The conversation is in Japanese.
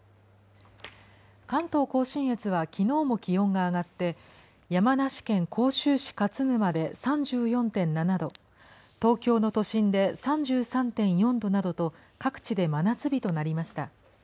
関東甲信越は、きのうも気温が上がって、山梨県甲州市勝沼で３４．７度、東京の都心で３３．４度などと、各地で真夏日となりました。